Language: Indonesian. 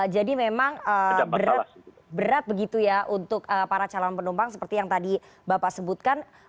jadi memang berat begitu ya untuk para calon penumpang seperti yang tadi bapak sebutkan